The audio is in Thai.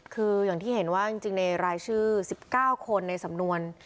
คืออย่างที่เห็นว่าจริงในรายชื่อ๑๙คนในสำนวน